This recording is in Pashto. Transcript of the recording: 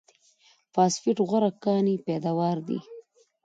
فاسفېټ غوره کاني پیداوار دی.